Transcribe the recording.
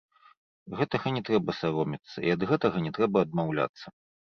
Гэтага не трэба саромецца, і ад гэтага не трэба адмаўляцца.